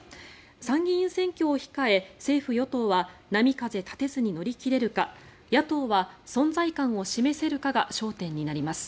参議院選挙を控え政府・与党は波風立てずに乗り切れるか野党は存在感を示せるかが焦点になります。